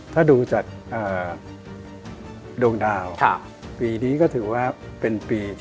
ถ้าดูจากโดงดาว